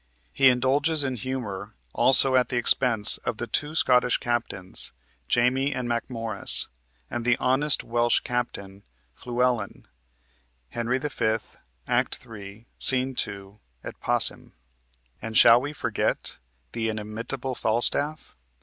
He indulges in humor also at the expense of the two Scottish captains, Jamy and Macmorris, and the honest Welsh captain, Fluellen (Henry V., Act 3, Sc. 2 et passim), and shall we forget the inimitable Falstaff?